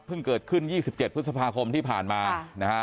เพิ่งเกิดขึ้นยี่สิบเจ็ดพฤษภาคมที่ผ่านมานะฮะ